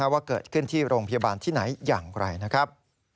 ว่าเกิดขึ้นที่โรงพยาบาลที่ไหนอย่างไรนะครับ